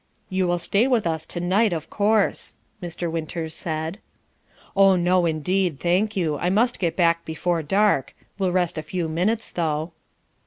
"You will stay with us to night, of course," Mr. Winters said. "Oh, no, indeed! Thank you! I must get back before dark. Will rest a few minutes, though."